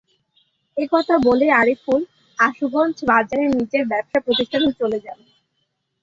এ কথা বলেই আরিফুল আশুগঞ্জ বাজারে নিজের ব্যবসা প্রতিষ্ঠানে চলে যান।